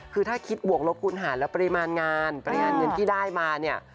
คือถ้าคิดบวกลบคูณหารและปริมาณงานปริมาณเงินที่ได้มาเนี่ย